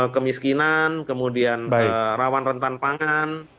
kemiskinan kemudian rawan rentan pangan